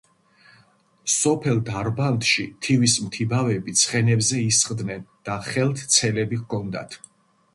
სოფელ დარბანდში თივის მთიბავები ცხენებზე ისხდნენ და ხელთ ცელები ჰქონდათ